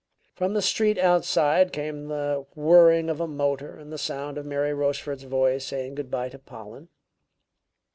From the street outside came the whirring of a motor and the sound of Mary Rochefort's voice saying good by to Pollen.